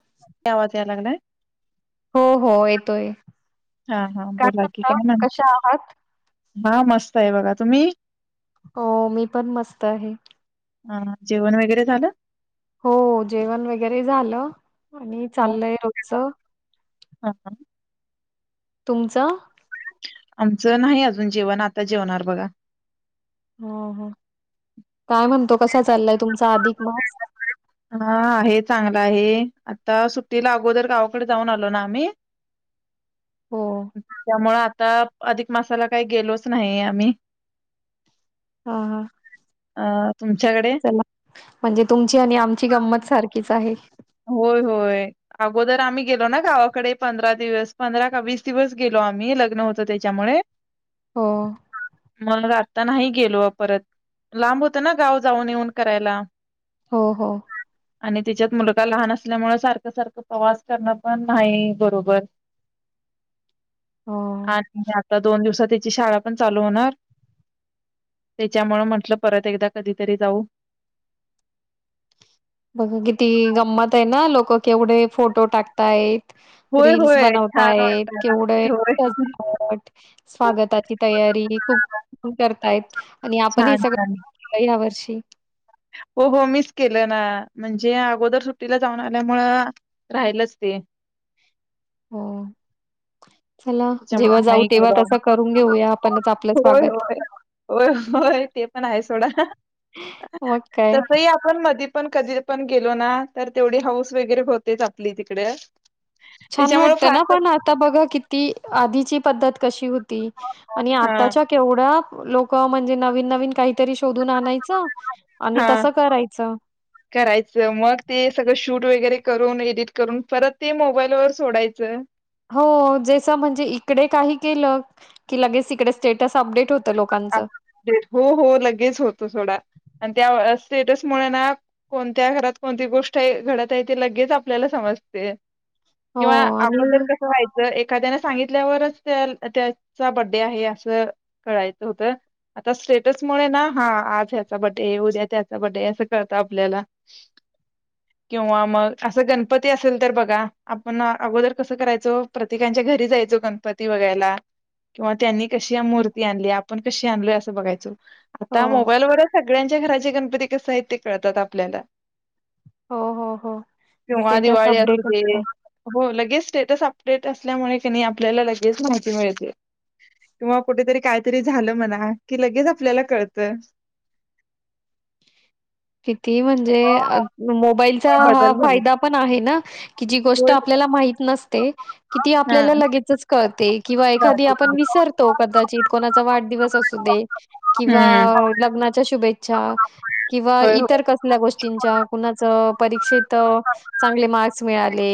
[unintelligible] आवाज याय लागलाय हो हो येतोय. हां हां काय बोला की काय म्हणता? कशा आहात? हां मस्त आहे बघा तुम्ही? हो मी पण मस्त आहे. हां जेवण वगैरे झालं? हो हो जेवण वगैरे झालं. आणि हा चाललंय रोजचं. [inaudible] तुमचं आमचं नाही अजून जेवण आता जेवणार बघा. ह ह काय म्हणतो कसा चाललाय तुमच हा हे चांगलं आहे. आता सुट्टीला अगोदर गावाकडे जाऊन आलो ना आम्ही हो. त्यामुळे आ आता अधिक मासाला काही गेलोच नाही आम्ही. हा हा. हा. तुमच्याकडे? म्हणजे तुमची आणि आमची गंमत सारखीच आहे. होय होय अगोदर आम्ही गेलो ना गावाकडे पंधरा दिवस पंधरा का वीस दिवस गेलो आम्ही लग्न होत त्याच्यामुळे. हो, मग [unintelligible] आता नाही गेलो परत लांब होत ना गाव जाऊन येऊन करायला. हो हो. आणि त्येच्यात मुल लहान असल्यामुळे सारखं सारखं प्रवास करणं पण नाही बरोबर. हो. आणि आता दोन दिवसात त्याची शाळा पण चालू होणार. त्याच्यामुळ म्हटलं परत एकदा कधीतरी जाऊ. बघ किती गंमत आहे ना लोक केवढे फोटो टाकतायत. होय रील्स होय छान बनवतायेत केवढं वाटत होय. सजावट स्वागताची तयारी खूप करतायेत आणि आपण हे छान छान सगळं या वर्षी हो हो मिस केलं ना म्हणजे अगोदर सुट्टीला जाऊन आल्यामुळं राहिलच ते. हो. चला त्याच्या मुळ जेव्हा जाऊ नाही तेव्हा गेलो तसं करून घेऊया आपणच आपलं होय स्वागत. -होय -होय -होय ते पण आहे सोडा मग काय तसही आपण मधी आपण कधी पण गेलो ना तर तेवढी हाऊस वगैरे होतेच आपली तिकडे. छान त्याच्यामुळे वाटतं ना फार पण आता बघा किती? आधीची पद्धत कशी होती. आणि हा आताच्या केवढ्या लोक म्हणजे नवीन नवीन काही तरी शोधून आणायच आणि हा तस करायचं करायचं मग ते सगळं शूट वगैरे करून एडिट करून परत ते मोबाईल वर सोडायचं हो ज म्हणजे इकडे काही केलं की लगेच इकडे स्टेटस अपडेट हो हो हो लगेच होतो थोडा आणि त्या स्टेटस मु ना कोणत्या घरात कोणती गोष्ट आहे घडत आहे ते लगेच आपल्याला समजते हो किंवा आणि अगोदर कसं व्हायचं एक एखाद्याने सांगितल्यावरच त्या त्याचा बडडे आहे असं कळायचं हो आता स्टेटसमुळे ना हा आज ह्याचा बर्डे उद्या हचा बर्डे असं कळत आपल्याला किंवा मग असं गणपती असेल तर बघा आपण अगोदर कसं करायचो प्रत्येकांच्या घरी जायचो गणपती वगायला किंवा त्यांनी कशी मूर्ती आणली पण कशी आणलय असं बघायचो हो, आता मोबाईल व सगळ्यां च्या घराचे गणपती क साहित कळतात आपल्याला हो, हो, हो. किंव्हा स्टेटस दिवाळी अपडेट असतं. असली. स्टेटस अपडेट्स असल्यामुळे की नाही आपल्याला लगेच माहीत मिळते [unintelligible] कुठे तरी झालं म्हणा की लगेच आपल्याला कळत किती म्हणजे मोबाईलचा की हा बदल झाले फायदा पण आहे ना कि जी गोष्ट होय होय. आपल्याला माहित नसते कि ती हा. आपल्याला लगेचच कळते किंवा एखादी आपण विसरतो कदाचित कोणा वाढदिवस असू दे किंवा हम्म. लग्नाच्या शुभेच्छा किंवा होय होय. इतर कसल्या गोष्टींच्या कुणाच परीक्षेत चांगले मार्क्स मिळाले.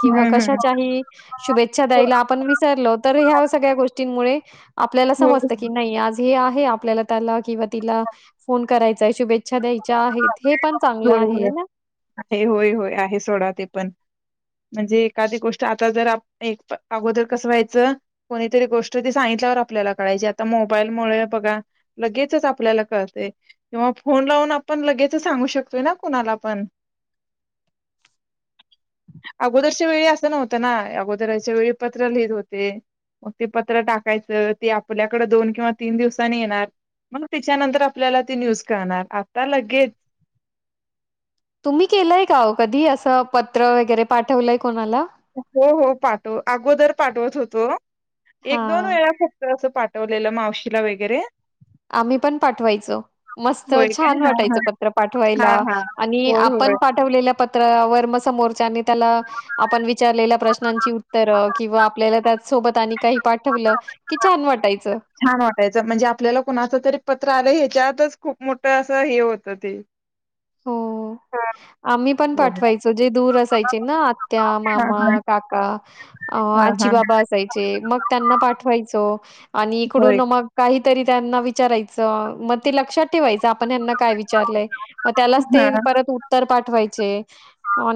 किंवा हम्म हम्म. कशाही शुभेच्छा होय. द्यायला आपण विसरलो तर ह्या सगळ्या गोष्ट मुळे आपल्याला होय समजत की नाही आज हे आहे. आपल्याला त्याला किंवा तिला फोन करायचा आहे. शुभेच्छा चछदे [unintelligible] होय होय आहे होय होय आहे सोडा ते म्हणजे एखादी गोष्ट आता जर अगोदर कसं व्हायचं कोणीतरी गोष्ट ती सांगितल्यावर आपल्याला कळायची आता मोबाईल मुळे बघा लगेचच आपल्याला कळतय किंवा फोन लावून पण लगेच सांगू शकतोय ना कुणाला पण अगोदरच्या वेळी असं नव्हतं ना अगोदराच्या वेळी पत्र लिहित होते. मग ते पत्र टाकायचं ते आपल्याकडे दोन किंवा तीन दिवसांनी येणार मग तिच्यानंतर आपल्याला ती न्यूज कळणार. त्या लगेच तुम्ही केलंय का कधी असं पत्र वगैरे पाठवलंय कोणाला हो हो पाठव अगोदर पाठवत होतो. एक दोन हां. वेळा फक्त असं. पाठवलेलं मावशीला वगैरे, आम्ही पण पाठवायचो मस्त होय काय छान हा वाटायच हा पत्र पाठवायला हां, हां. आणि होय, आपण होय. पाठवले प त्रावर समोर च्याने त्याला आपण विचारलेल्या प्रश्नाची उत्तर किंवा आपल्या सोबत आणि काही पाठवलं की छान वाटायच. छान वाटायचं म्हणजे आपल्याला कुणाच तरी पत्र आलं ह्याच्यातच खूप मोठ असं हे होत ते हो हां. आम्ही पण होय. पाठवायचो जे दूर असायचे ना आत्या, हां, मामा, हां. काका, हां, आजी हां. बाबा, असायचे मग त्यांना पाठवायचो. आणि इकडून होय. मग काही तरी त्यांना विचारायचं मग ते लक्षात ठेवायचं आपण त्यांना काय विचारलंय. मग त्यालाच ते हां. परत उत्तर पाठ पाठवायचे.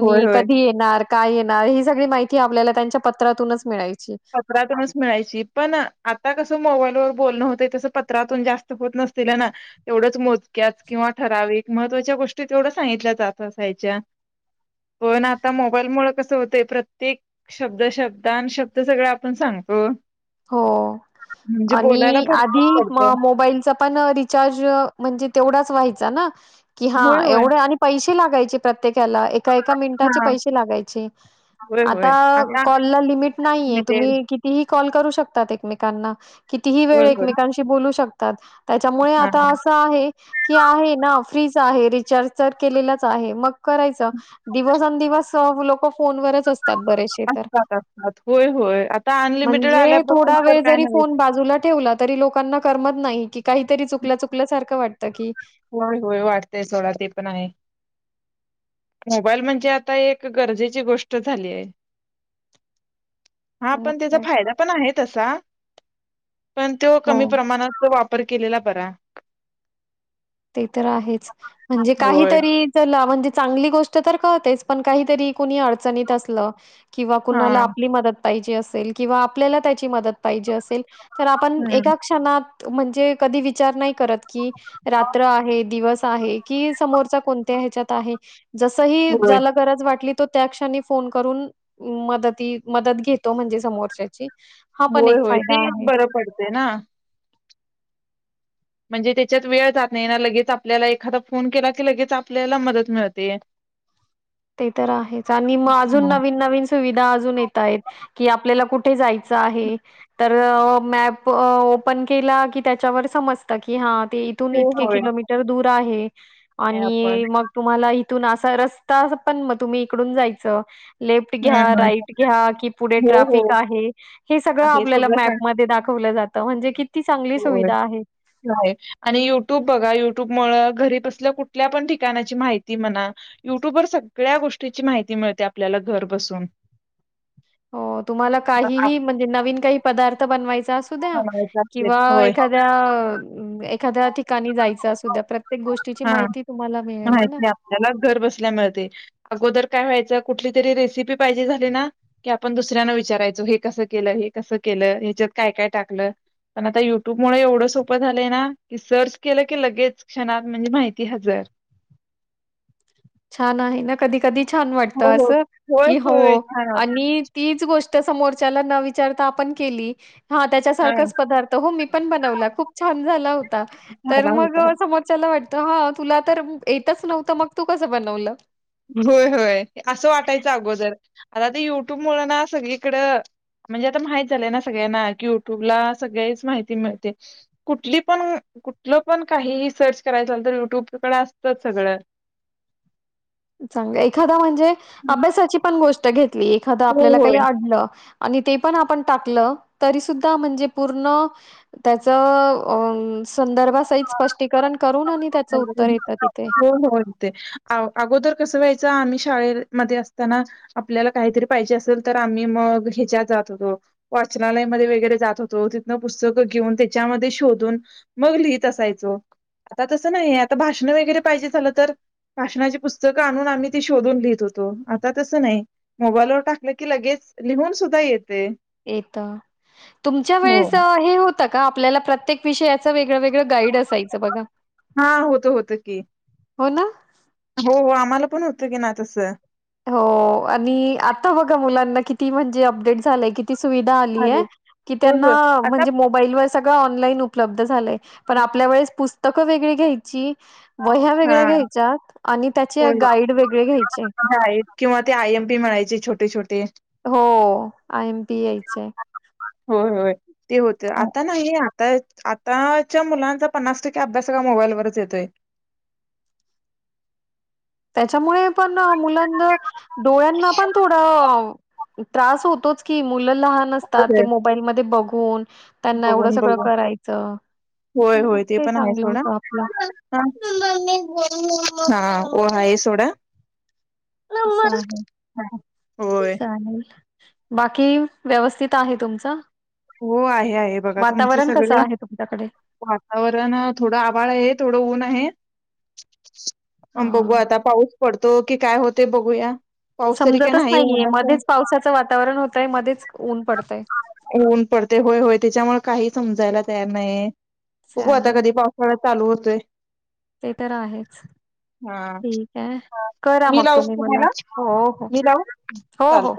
होय, होय. कधी येणार. काय येणार ही सगळी माहिती आपल्याला त्यांच्या पत्रातूनच मिळाची पत्रातूनच मिळायची, पण आता कसं मोबाईल [inaudible] बोलणं होत तस पत्रातून जास्त होत नसतिला ना तेवढच मोजक्या किंवा ठरावीक महत्वाच्या गोष्टी तेवढ सांगितल्या जात असायच्या पण आता मोबाईल मुळे कस होत प्रत्येक शब्द शब् तर सगळं आपण सांगतो. हो म्हणजे बोलायला आणि भरपूर आधी पडतं मं मोबाईलचा पण रिचार्ज म्हणजे तेवढाच व्हायचा ना त कि हा होय होय एवढे आणि पैश लागायची प्रत्येक त्याला एका एका मिनटाचे हा पैसे लागायचे होय होय आता आता कॉल ला लिमिट नाहीये अनलिमिटेड तुम्ही कितीही कॉल करू श शकतात एकमेकांना फ कितीही वेळ होय होय एकमेकांशी बोलू शक [inaudible] त्याच्यामुळे हा आता असं आहे की आहे ना फ्रीच आहे रिचार्ज तर केलेलाच आहे मग करायच दिवसंदिवस लोक फोनवरच असतात बरेचसे तर. असतात असतात होय होय आता अनलिमिटेड म्हणजे आल्यापासून थोडा तर वेळ काय जरी नाही फोन बाजूला ठेवला तरी की, लोकांना करमत नाही. काहीतरी चुकल्या चुकल्यासारखं वाट होय होय वाटतय सोडा. ते पण आहे. मोबाईल म्हणजे आता एक गरजेची गोष्ट झाली आहे. हा मग पण त्याचा काय फायदा पण आहे. तसा पण, तो कमी हो. प्रमाणात तो वा पर केलेला बरा. ते तर आहेच, म्हणजे होय काहीतरी चला म्हणजे चांगली गोष्ट तर कळतेच, पण काहीतरी कुणी अडचणीत असलं किंवा हा कुणाला आपली मदत पाहीजे असेल किंवा आपल्याला त्याची मदत पाहिजे असेल तर आपण हम्म एका क्षणात म्हणजे कधी विचार नाही करत की रात्र आहे दिवस आहे की, समोरचा कोणत्या हेच्यात आहे? जस ही होय ज्याला गरज वाटली. तो त्या क्षणी फोन करून मदती, मदत घेतो म्हणजे समोरच्याची. हा पण एक होय, होय ते फायदा आहे. बरं पडतय ना. म्हणजे त्याच्यात वेळ जात नाही ना, लगेच आपल्याला एखादा फोन केला की लगेच आपल्याला मदत मिळते. ते तर आहेच, आणि मग अजून हं. नवीन-नवीन सुविधा अजून येत आहेत, की आपल्याला कुठ. कठे जायच आहे, तर मॅप ओपन केला की त्याच्यावर समजत की हा. ते इथून हो इतके होय किलोमीटर दूर. आहे. आपण आणि मग तुम्हाला हीतून असा रस्ता. रस्ता पण मग तुम्ही इकडून जायचं. लेफ्ट घ्या, हम्म राईट घ्या, की पुढे हो हो ट्रॅफिक आहे. हे सगळं आहे आपल्याला मॅपमध्ये दाखवलं जातं. कळत म्हणजे की. हो आणि युट्यूब बघा, युट्यूब मूळ. घरी बसल्या कुठल्या पण ठिकाणाची माहिती म्हणा युट्यूब वर सगळ्या गोष्टीची माहिती मिळते, आपल्याला घर बसून. हो तुम्हाला अ, आपण काहीही म्हणजे नवीन काही पदार्थ बनवायचे. चा असूद्या बनवायचं असेल किंवा होय. एखाद्या एक एखाद्या ठिकाणी जायचं असूद्या, प्रत हा माहिती आपल्याला घर बसल्या मिळते. अगोदर काय व्हायचं? कुठली तरी रेसिपी पाहीजे झाली ना की, आपण दुसऱ्यांना विचारायचो, हे कस केलं हे कस केलं? ह्याच्यात काय काय टाकलं? पण आता युट्यूब मूळ एवढं सोपं झालंय ना की, सर्च केल की लगेच क्षणात म्हणजे माहिती हजर. छान आहे ना. कधी कधी छान वाटत हो, हो. असं होय, की, होय. हो छान होता. आणि तीच गोष्ट ते समोरच्याला न विचारता आपण केली हा हां. त्याच्यासारखंच पदार्थ, हो मी पण बनवला खूप छान झाला हो ता तर झाला मग, होता. समोरच्याला वाट त ह तुला तर येतच नव्हतं, मग तू कसं बनवलं? होय, होय. असं वाटायचं अगोदर. आता ते युट्यूब मुळ ना, सगळीकडं म्हणजे आता माहीत झालंय ना सगळ्यांना कि, युट्यूबला सगळेच माहिती मिळते. कुठली पण, कुठलं पण काहीही सर्च करायचं तर, युट्यूब कड असतच सगळं. चांगल एखादा म्हण जे अभ्यासाची पण गोष्ट लगेच एखादं हो, आपल्याला काही होय. आडलं. आणि ते पण आपण टाकलं, तरी सुद्धा म्हणजे पूर्ण त्याच अ संदर्भ सहित स्पष्टीकरण करून आणि त्याचं उत्तर येतं तिथे हो हो येते. अ अगोदर कसं व्हायचं आम्ही शाळेमध्ये असताना आपल्याला काहीतरी पाहिजे असेल तर आम्ही मग ह्याच्यात जात होतो वाचनालय म वगैरे जात होतो तिथन पुस्तकं घेऊन त्याच्यामध्ये शोधून मग लिहित असायचो आता तसं नाही आहे, आता भाषण वगैरे पाहिजे झालं तर भाषणाचे पुस्तकं आणून आम्ही ती शोधून लिहित होतो आता तसं नाही मोबाईलवर टाकलं की लगेच लिहून सुद्धा येत येत तुमच्या हो. वेळेस हे होत. होत का आपल्याला प्रत्येक विषय. वेगळं गाईड असायचं बघा. हा होतं होतं की हो ना. हो आम्हाला पण होतं की ना तसं. हो आणि आता बघा मुलांना किती म्हणजे अपडेट झालंय कि. ती सुशीला आलीये चालेल. की होय, त्याना होय. आता म्हणजे मोबाईल वर. सगं ऑनलाईन उपलब्ध झालय. पण आपल्या वेळेस पुस. तक वेगळी घ्यायची. वह्या वेगळ्या हां. घ्यायच्यात. आणि त्याचे होय, होय. गाईड वेगळेे घ्यायचे. डाएट किंवा ते आय एम पी म्हणायचे छोटे-छोटे. हो आय एम पी यायचे. हो-हो ते होत आता नाही. आ आताच्या मुलांचा पन्नास टक्के अभ्यास मोबाईलवरच येतोय. त्याच्यामुळे पण. मुलांना डोळ्यांना पण थोडं. त्रास होतोच की. मु लहान असतात ते होय. मोबाईल मध्ये बघू. फोन. बघून -बघून मग होय-होय ते पण आहे चांगलं थोडा होतं आपलं हा. हो-हायआहे सोडा. होय. चालेल-चालेल. बाकी व्यवस्थित आहे तुमचं? हो आहे-आहे बघा तुमचं वातावरण कसं सगळं? आहे तुमच्याकडे? वातावरण थोडं आभळ आहे थोडं ऊन आहे. अ [inaudible] बघू आता पाऊस. पडतो की काय होते बघूया? पाऊस तरी काय समजतच नाही नाहीये ऊनच आहे. मध्येच पावसाचं वातावरण होतय मध्येच ऊन पडतंय. ऊन पडते होय होय त्याच्यामुळे काहीच समजायला तयार नाहीय. बघू चालेल आता कधी पावसाळ्यात चालू होतोय. ते तर आहेच, हा ठीक आहे. करा मी मग लावू का तुम्ही मला तुम्हाला हो हो मी लावू हो हो. चालतंय.